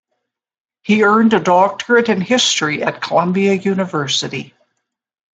He earned a doctorate in history at Columbia University.